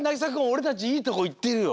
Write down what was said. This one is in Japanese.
おれたちいいとこいってるよ。